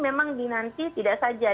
memang dinanti tidak saja